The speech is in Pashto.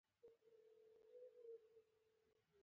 اوس په همدې ټولنه کې مالګه په پام کې ونیسئ.